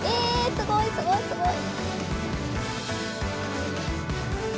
すごいすごいすごい！